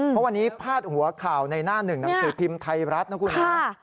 เพราะวันนี้พาดหัวข่าวในหน้าหนึ่งหนังสือพิมพ์ไทยรัฐนะคุณฮะ